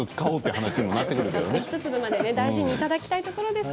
１粒まで大事にいただきたいです